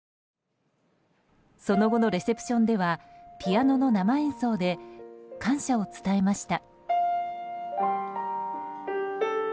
その後のレセプションではピアノの生演奏で感謝を伝えました。